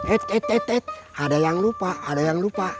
et et et et ada yang lupa ada yang lupa